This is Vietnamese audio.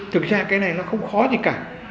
thực ra cái này nó không khó gì cả